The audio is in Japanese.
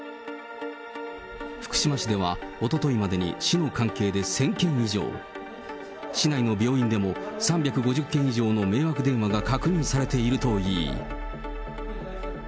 福島市ではおとといまでに市の関係で１０００件以上、市内の病院でも３５０件以上の迷惑電話が確認されているといい。